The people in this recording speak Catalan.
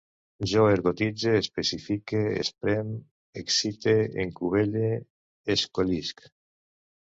Jo ergotitze, especifique, esprem, excite, encubelle, escollisc